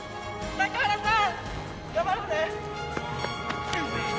高原さん